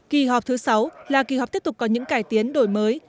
kỳ họp thứ sáu là kỳ họp tiếp tục có những cải tiến đổi mới